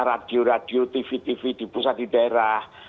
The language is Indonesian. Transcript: radio radio tv tv di pusat di daerah